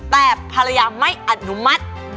แต่พยายามไม่อนุมัติ